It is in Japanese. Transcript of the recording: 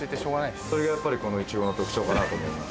それがやっぱりこのいちごの特徴かなと思います